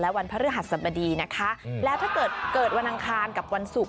และวันพระอาสบดีนะคะแล้วถ้าเกิดวันอังคารกับวันสูบ